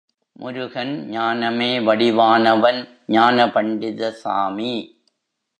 முருகன் ஞானமே வடிவானவன் ஞானபண்டித சாமி.